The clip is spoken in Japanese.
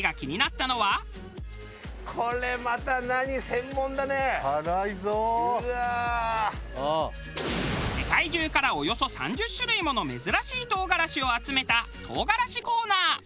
世界中からおよそ３０種類もの珍しい唐辛子を集めた唐辛子コーナー。